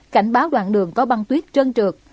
cảnh báo đoạn đường có băng tuyết trơn trượt